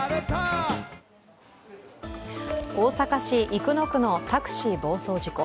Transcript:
大阪市生野区のタクシー暴走事故。